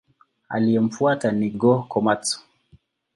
Aliyemfuata ni Go-Komatsu.